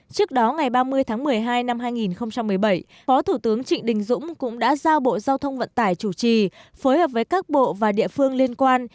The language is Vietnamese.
trước đó ngày ba mươi tháng một mươi hai năm hai nghìn một mươi bảy phó thủ tướng trịnh đình dũng cũng đã giao bộ giao thông vận tải chủ trì phối hợp với các bộ và địa phương liên quan